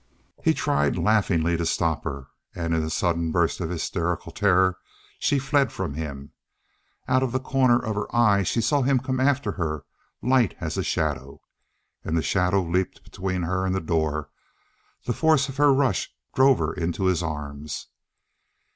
He tried laughingly to stop her, and in a sudden burst of hysterical terror she fled from him. Out of the corner of her eye she saw him come after her, light as a shadow. And the shadow leaped between her and the door; the force of her rush drove her into his arms.